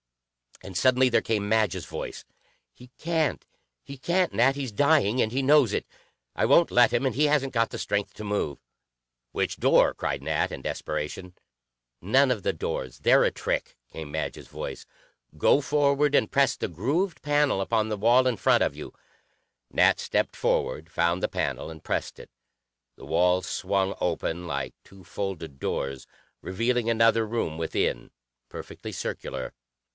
And suddenly there came Madge's voice, "He can't! He can't, Nat. He's dying, and he knows it. I won't let him, and he hasn't got the strength to move." "Which door?" cried Nat in desperation. "None of the doors. They're a trick," came Madge's voice. "Go forward and press the grooved panel upon the wall in front of you." Nat stepped forward, found the panel, and pressed it. The wall swung open, like two folded doors, revealing another room within, perfectly circular.